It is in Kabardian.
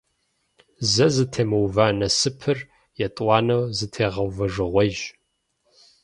Зэ зэтемыува насыпыр етӀуанэу зэтегъэувэжыгъуейщ.